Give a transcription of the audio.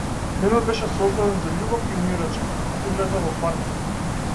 Денот беше создаден за љубов и умирачка, а ти влезе во партија.